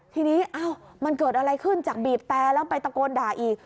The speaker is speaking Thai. ทีนี้มันเกิดอะไรขึ้นจากบีบแต่แล้วไปตะโกนด่าอีก